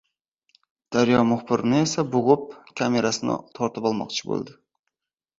“Daryo” muxbirini esa bo‘g‘ib, kamerasini tortib olmoqchi bo‘ldi